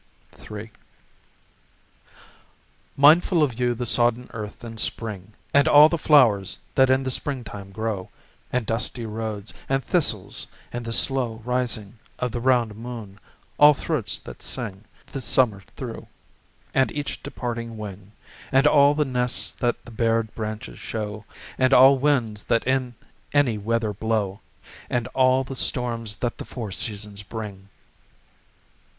III Mindful of you the sodden earth in spring, And all the flowers that in the springtime grow, And dusty roads, and thistles, and the slow Rising of the round moon, all throats that sing The summer through, and each departing wing, And all the nests that the bared branches show, And all winds that in any weather blow, And all the storms that the four seasons bring.